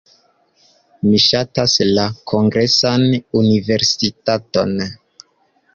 Mi ŝatas la Kongresan Universitaton.